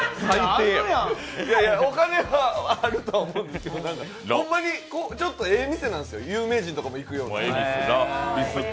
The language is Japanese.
お金はあるとは思うんですけど、ホンマにちょっとええ店なんですよ、有名人とかも行くような。